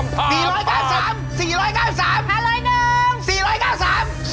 ๔๔๑ปีครับ